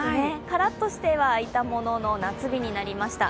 カラっとしてはいたものの、夏日になりました。